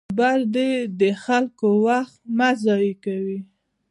یوټوبر دې د خلکو وخت مه ضایع کوي.